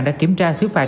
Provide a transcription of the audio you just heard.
đã kiểm tra xử phạt